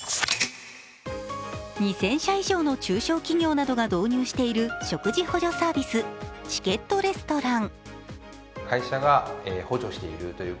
２０００社以上の中小企業が導入している食事補助サービス、チケットレストラン。